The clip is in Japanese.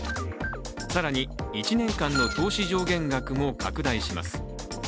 更に１年間の投資上限額も拡大します。